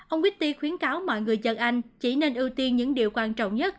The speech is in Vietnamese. ông quýti khuyến cáo mọi người dân anh chỉ nên ưu tiên những điều quan trọng nhất